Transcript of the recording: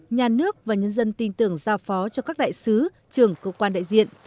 nhà nước và nhân dân tin tưởng giao phó cho các đại sứ trưởng cơ quan đại diện